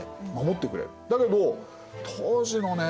だけど当時のね